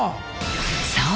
そう。